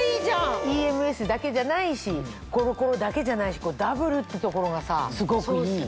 ＥＭＳだけじゃないしコロコロだけじゃないしダブルってところがすごくいい。